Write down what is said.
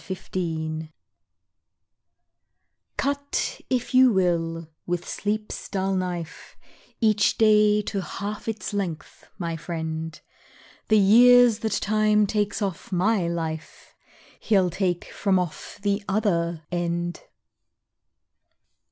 Midnight Oil Cut if you will, with Sleep's dull knife, Each day to half its length, my friend, The years that Time takes off my life, He'll take from off the other end!